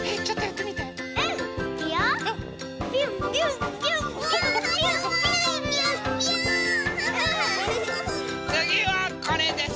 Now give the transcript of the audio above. つぎはこれです。